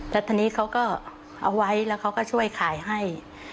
แล้วทีนี้เขาก็เอาไว้แล้วเขาก็ช่วยขายให้